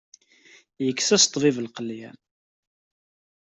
Yekkes-as-d ṭṭbib lqelyan.